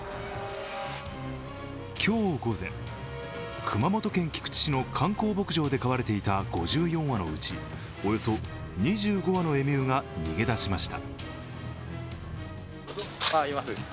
今日午前、熊本県菊池市の観光牧場で飼われていた５４羽のうち、およそ２５羽のエミューが逃げ出しました。